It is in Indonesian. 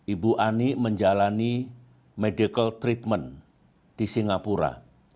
ibu ani menjalani medical treatment di singapura